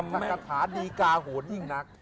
อัทธาคาดีกาหวนยิ่งหนัก